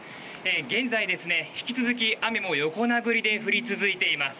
現在、引き続き雨も横殴りで降り続いています。